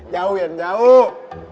jauh ya jauh